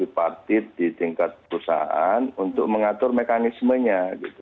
nah kita harus dipaktif di tingkat perusahaan untuk mengatur mekanismenya